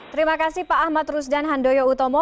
terima kasih pak ahmad rusdan handoyo utomo